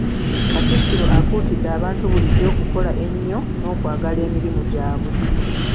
Katikkiro akuutidde abantu bulijjo okukola ennyo n’okwagala emirimu gyabwe.